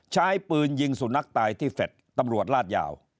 ใช้ปืนยิงสุนัขตายที่แฟลต์ตำรวจลาดยาว